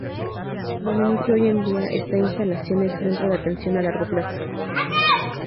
Dominique, hoy en día esta instalación es un centro de atención a largo plazo.